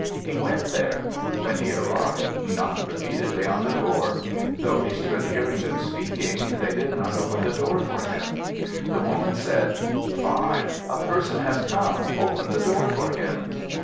He went there. When he arrived, he knocked repeatedly on the door. Though he stood hearing them speaking, they did not open the door for him. The woman said, "Fie! A person has come. Open the door for him."